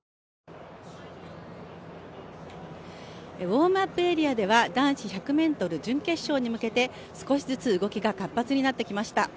ウォームアップエリアでは男子１００ｍ準決勝に向けて少しずつ動きが活発になってきました。